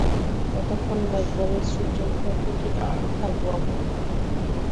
যতক্ষণ ম্যাগমার এই স্রোতে চলতে থাকব, ঠিক থাকব আমরা।